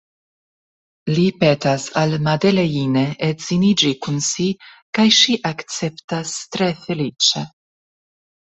Li petas al Madeleine edziniĝi kun si, kaj ŝi akceptas tre feliĉe.